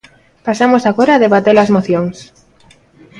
Pasamos agora a debater as mocións.